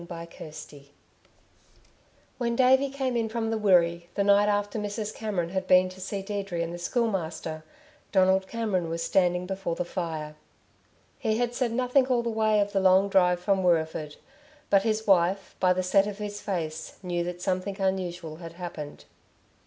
CHAPTER XXVI When Davey came in from the Wirree, the night after Mrs. Cameron had been to see Deirdre and the Schoolmaster, Donald Cameron was standing before the fire. He had said nothing all the way of the long drive from Wirreeford; but his wife, by the set of his face, knew that something unusual had happened.